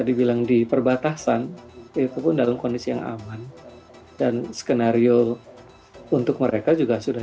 dibilang di perbatasan itu pun dalam kondisi yang aman dan skenario untuk mereka juga sudah